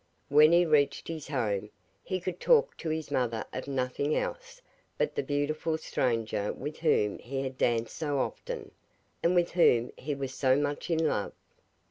When he reached his home he could talk to his mother of nothing else but the beautiful stranger with whom he had danced so often, and with whom he was so much in love.